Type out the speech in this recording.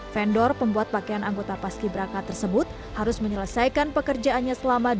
vendor pembuat pakaian anggota paski beraka tersebut harus menyelesaikan pekerjaannya selama dua puluh hari